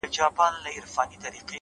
• د همزولو له ټولۍ سره به سيال واى,